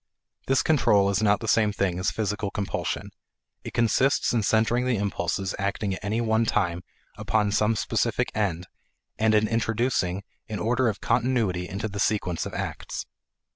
This control is not the same thing as physical compulsion; it consists in centering the impulses acting at any one time upon some specific end and in introducing an order of continuity into the sequence of acts.